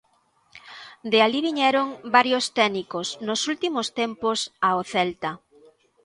De alí viñeron varios técnicos nos últimos tempos ao Celta.